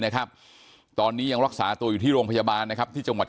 นะครับตอนนี้ยังรักษาตัวอยู่ที่โรงพยาบาลนะครับที่จังหวัด